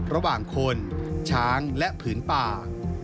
ระหว่างคนช้างและผืนป่า